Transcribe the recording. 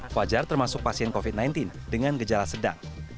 fajar termasuk pasien covid sembilan belas dengan gejala sedang